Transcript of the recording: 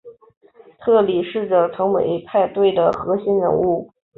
特里试着成为派对的核心人物。